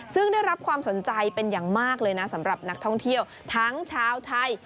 ซึ่งได้รับความสนใจเป็นอย่างมากเลยนะสำหรับนักท่องเที่ยวทั้งชาวไทย